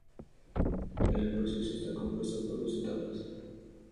El proceso está compuesto por dos etapas.